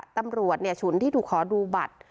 ตำรวจเนี่ยฉุนที่ถูกคอดูบัตร